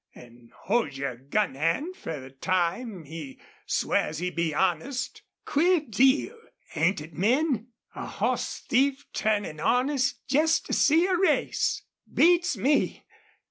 An' hold your gun hand fer the time he swears he'll be honest. Queer deal, ain't it, men? A hoss thief turnin' honest jest to see a race! Beats me!